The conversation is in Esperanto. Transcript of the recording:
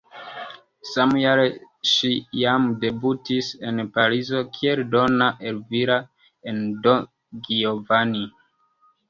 Samjare ŝi jam debutis en Parizo kiel Donna Elvira en "Don Giovanni".